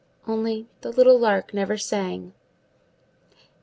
Only the little lark never sang.